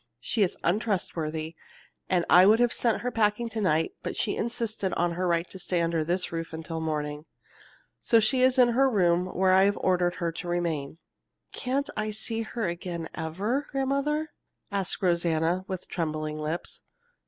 She is untrustworthy, and I would have sent her packing to night, but she insisted on her right to stay under this roof until morning. So she is in her room where I have ordered her to remain." "Can't I see her again ever, grandmother?" asked Rosanna, with trembling lips.